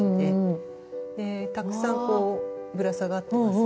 でたくさんこうぶら下がってますが。